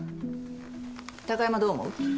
貴山どう思う？